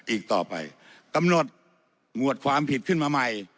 อีกต่อไปกำหนดหมวดความผิดขึ้นมาใหม่